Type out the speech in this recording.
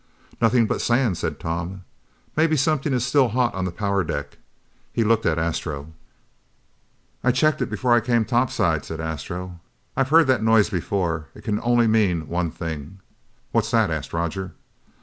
"Nothing but sand," said Tom. "Maybe something is still hot on the power deck." He looked at Astro. "I checked it before I came topside," said Astro. "I've heard that noise before. It can only mean one thing." "What's that?" asked Roger.